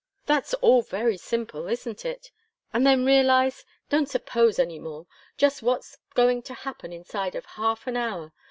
That's all very simple, isn't it? And then realize don't suppose any more just what's going to happen inside of half an hour.